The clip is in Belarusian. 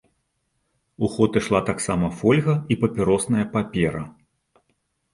У ход ішла таксама фольга і папіросная папера.